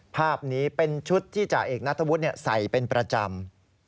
ภาพนี้เป็นชุดที่จ่าเอกนัทธวุฒิใส่เป็นประจำ